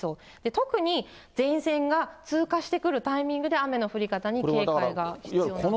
特に前線が通過してくるタイミングで、雨の降り方に警戒が必要です。